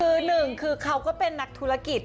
คือหนึ่งคือเขาก็เป็นนักธุรกิจ